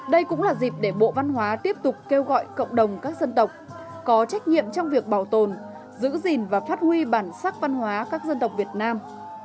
đây cũng là dịp để bộ văn hóa tiếp tục kêu gọi cộng đồng các dân tộc có trách nhiệm trong việc bảo tồn giữ gìn và phát huy bản sắc văn hóa các dân tộc việt nam